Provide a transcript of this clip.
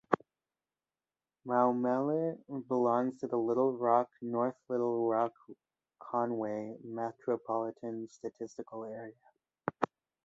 Maumelle belongs to the Little Rock-North Little Rock-Conway Metropolitan Statistical Area.